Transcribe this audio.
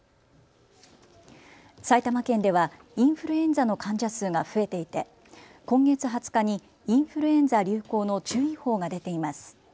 埼玉県ではインフルエンザの患者数が増えていて今月２０日にインフルエンザ流行の注意報が出ています。